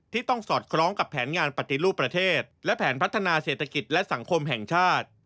ต้องสอดคล้องกับแผนงานปฏิรูปประเทศและแผนพัฒนาเศรษฐกิจและสังคมแห่งชาติ